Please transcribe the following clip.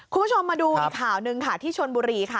คุณผู้ชมมาดูอีกข่าวหนึ่งค่ะที่ชนบุรีค่ะ